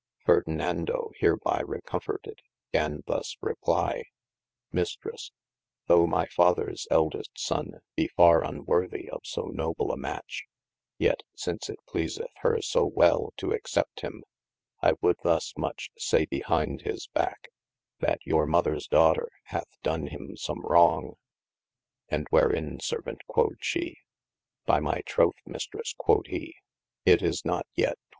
Fardenando hereby recomforted gan thus replie. Mistres, though my fathers eldest son be far unworthy of so noble a match, yet since it pleaseth hir so wel to except him, I would thus much say behind his ba[c]k, yl your mothers daughter hath done him some wrong : and wherein servaunt (quod she) : by my troth Mistres (quod he) it is not yet xx.